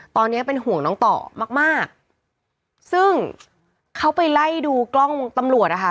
ตอนนี้เป็นห่วงน้องต่อมากมากซึ่งเขาไปไล่ดูกล้องตำรวจนะคะ